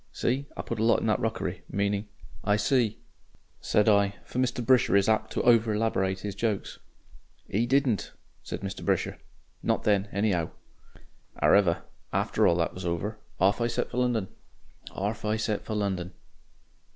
See? 'I put a lot in that rockery' meaning " "I see," said I for Mr. Brisher is apt to overelaborate his jokes. "'E didn't," said Mr. Brisher. "Not then, anyhow. "Ar'ever after all that was over, off I set for London.... Orf I set for London."